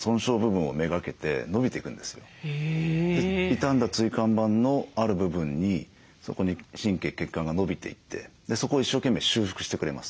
痛んだ椎間板のある部分にそこに神経血管が伸びていってそこを一生懸命修復してくれます。